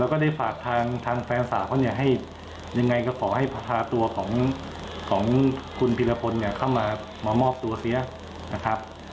เข้ามาหมอบตัวเสียนะครับ